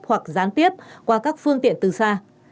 hoặc gián tiếp qua các phương tiện từ xa